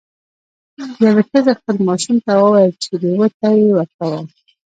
یوې ښځې خپل ماشوم ته وویل چې لیوه ته دې ورکوم.